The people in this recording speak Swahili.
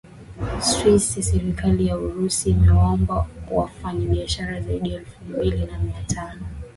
swisse serikali ya urusi imewaomba wafanyi biashara zaidi ya elfu mbili na mia tano